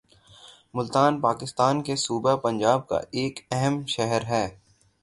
ملتان پاکستان کے صوبہ پنجاب کا ایک اہم شہر ہے